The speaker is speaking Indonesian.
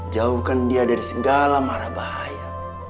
jauhkan dia dari segala marah bahaya